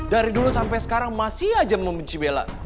dari dulu sampai sekarang masih aja membenci bela